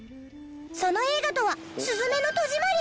その映画とは『すずめの戸締まり』。